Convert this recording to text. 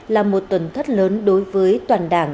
là một tuần thất lớn đối với toàn đảng